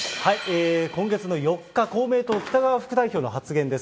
今月の４日、公明党、北側副代表の発言です。